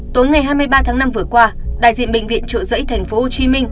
tối ngày hai mươi ba tháng năm vừa qua đại diện bệnh viện trợ giấy tp hcm